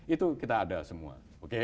itu kita ada semua